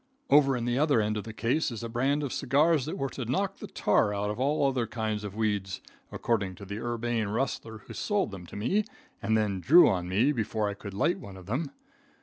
Over in the other end of the case is a brand of cigars that were to knock the tar out of all other kinds of weeds, according to the urbane rustler who sold them to me, and then drew on me before I could light one of them.